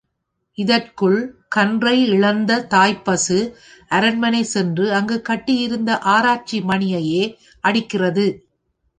இதற்குள் கன்றை இழந்த தாய்ப் பசு அரண்மனை சென்று அங்கு கட்டியிருந்த ஆராய்ச்சி மணியையே அடிக்கிறது.